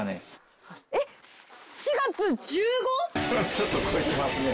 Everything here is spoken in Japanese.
ちょっと越えてますね。